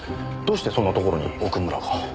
どうしてそんなところに奥村が？